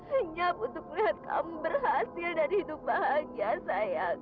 lenyap untuk melihat kamu berhasil dan hidup bahagia sayang